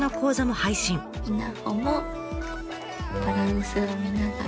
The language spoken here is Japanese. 稲穂もバランスを見ながら。